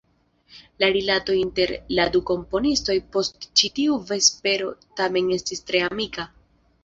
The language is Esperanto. La rilato inter la du komponistoj post ĉi tiu vespero tamen estis tre amika.